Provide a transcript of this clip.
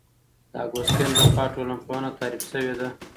د اګوست کُنت لخوا ټولنپوهنه تعریف شوې ده.